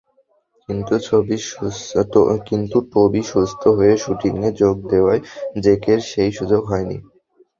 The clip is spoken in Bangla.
কিন্তু টবি সুস্থ হয়ে শুটিংয়ে যোগ দেওয়ায় জেকের সেই সুযোগ হয়নি।